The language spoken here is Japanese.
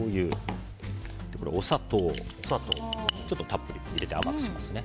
お砂糖はちょっとたっぷり入れて甘くしますね。